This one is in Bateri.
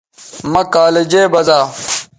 مہ کالجے بزا